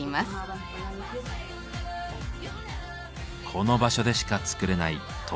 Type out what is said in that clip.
この場所でしか作れない特別なラグ。